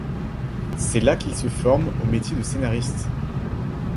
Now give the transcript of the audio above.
C'est là qu'il se forme au métier de scénariste.